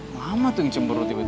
mama tuh ngecembur tuh tiba tiba